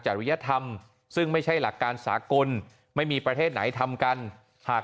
ริยธรรมซึ่งไม่ใช่หลักการสากลไม่มีประเทศไหนทำกันหาก